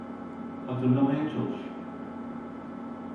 Hatırlamaya çalış.